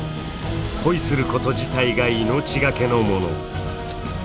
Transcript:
恋すること自体が命がけのもの。